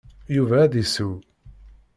Yuba ad d-issew.